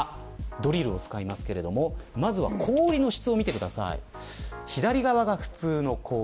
ドリルを使いますがまずは氷の質を見てください。